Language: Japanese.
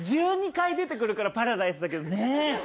１２回出てくるからパラダイスだけどね。